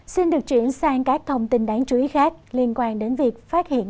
xin được chuyển sang các thông tin đáng chú ý khác liên quan đến việc phát hiện